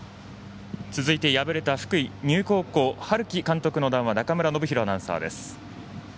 続いて、敗れた福井の丹生高校春木監督の談話中村アナウンサーです。